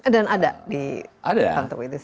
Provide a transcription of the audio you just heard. dan ada di tantowi itu sendiri